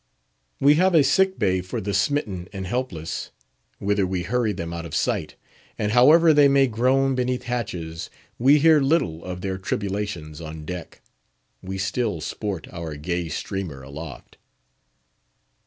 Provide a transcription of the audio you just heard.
We have a Sick bay for the smitten and helpless, whither we hurry them out of sight, and however they may groan beneath hatches, we hear little of their tribulations on deck; we still sport our gay streamer aloft.